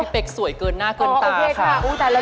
พอร์สสองใช่คะ